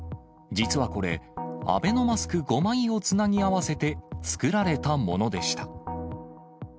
実はこれ、アベノマスク５枚をつなぎ合わせて作られたものでした。